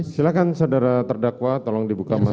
silahkan saudara terdakwa tolong dibuka masker